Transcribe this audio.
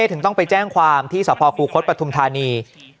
ถึงต้องไปแจ้งความที่สภคูคศปฐุมธานี